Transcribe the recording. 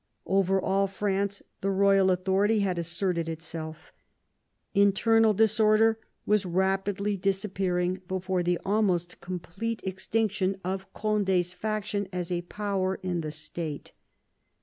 Over all France the royal authority had asserted itself. Internal disorder was rapidly disappearing before the almost complete extinction of Condi's faction as a power in the State.